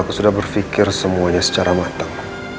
aku sudah berpikir semuanya secara mantap